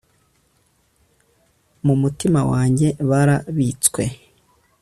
mu mutima wanjye barabitswe